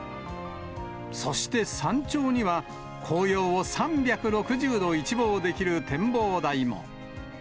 そして、山頂には、紅葉を３６０度一望できる展望台も。